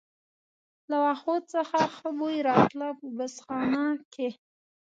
له وښو څخه ښه بوی راته، په بوس خونه کې.